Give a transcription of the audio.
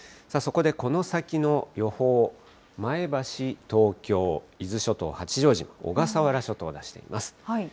そこでこの先の予報、前橋、東京、伊豆諸島、八丈島、小笠原諸島を出しています。